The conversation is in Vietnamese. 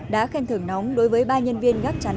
đã khen thưởng nóng đối với ba nhân viên gác chắn